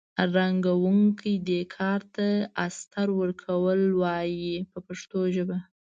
رنګوونکي دې کار ته استر ورکول وایي په پښتو ژبه.